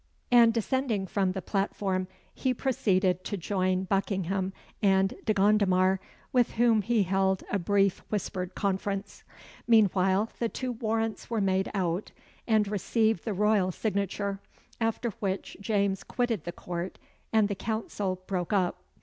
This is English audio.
And, descending from the platform, he proceeded to join Buckingham and De Gondomar, with whom he held a brief whispered conference. Meanwhile, the two warrants were made out, and received the royal signature; after which James quitted the Court, and the Council broke up.